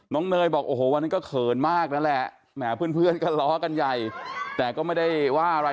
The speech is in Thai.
เนยบอกโอ้โหวันนั้นก็เขินมากนั่นแหละแหมเพื่อนก็ล้อกันใหญ่แต่ก็ไม่ได้ว่าอะไร